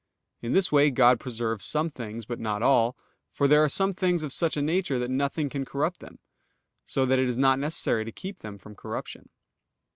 In this way God preserves some things, but not all, for there are some things of such a nature that nothing can corrupt them, so that it is not necessary to keep them from corruption.